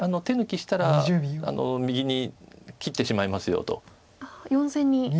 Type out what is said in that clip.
手抜きしたら右に切ってしまいますよと。